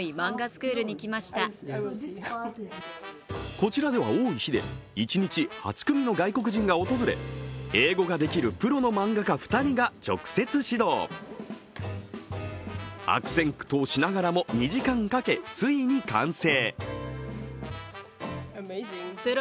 こちらでは多い日で一日８組の外国人が訪れ、英語ができるプロの漫画家２人が直接指導悪戦苦闘しながらも２時間かけついに完成。